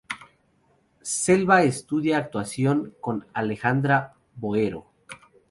Selva estudió actuación con Alejandra Boero.